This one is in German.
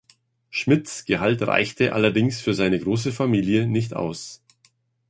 Schmidts Gehalt reichte allerdings für seine große Familie nicht aus.